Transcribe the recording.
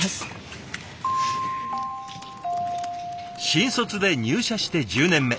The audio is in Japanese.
新卒で入社して１０年目。